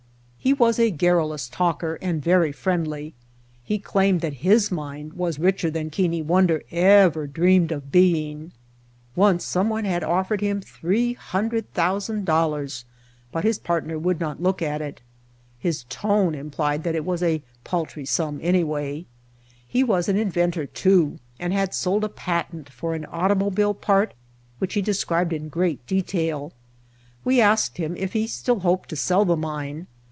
He was a garrulous talker and very friendly. He claimed that his mine was richer than Keane Wonder ever dreamed of being. Once some one had of fered him $300,000, but his partner would not look at it. His tone implied that it was a paltry sum anyway. He was an inventor, too, and had sold a patent for an automobile part which he described in great detail. We asked him if he still hoped to sell the mine.